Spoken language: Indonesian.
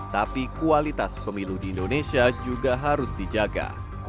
tapi kualitas pemilu di indonesia juga harus dijaga